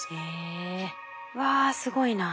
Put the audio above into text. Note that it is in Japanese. わすごいな。